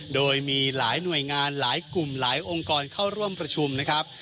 โดยมีหลายหน่วยงานหลายกลุ่มหลายองค์กรเข้าร่วมประชุมนะครับ